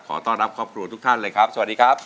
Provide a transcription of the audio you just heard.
ต้อนรับครอบครัวทุกท่านเลยครับสวัสดีครับ